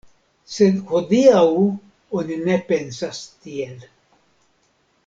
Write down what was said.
Sed hodiaŭ oni ne pensas tiel.